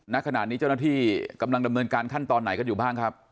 ณขณะนี้เจ้าหน้าที่กำลังดำเนินการขั้นตอนไหนกันอยู่บ้างครับ